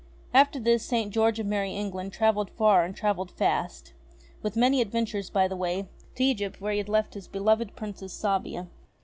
ST. GEORGE OF MERRIE ENGLAND 13 After this St. George of Merrie England travelled far and travelled fast, with many adventures by the way, to Egypt where he had left his beloved Princess Sabia.